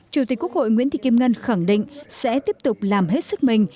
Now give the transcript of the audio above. chủ tịch quốc hội nguyễn thị kim ngân khẳng định sẽ tiếp tục làm hết sức mình